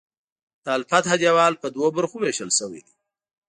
د الفتح دیوال په دوو برخو ویشل شوی دی.